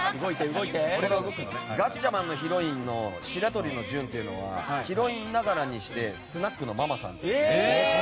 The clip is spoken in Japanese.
「ガッチャマン」のヒロインの白鳥のジュンというのはヒロインながらにしてスナックのママさんという。